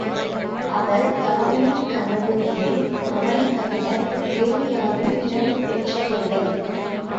அவள் தாவணிக் கனவுகளில் அவனைத் தவிர வேறு யாரும் இடம் பெற்றதில்லை.